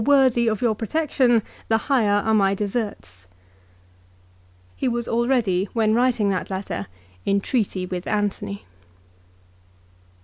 worthy of your protection, the higher are my deserts. 1 " He was already, when writing that letter, in treaty with Antony.